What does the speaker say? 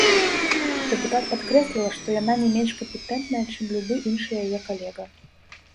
Дэпутат падкрэсліла, што яна не менш кампетэнтная, чым любы іншы яе калега.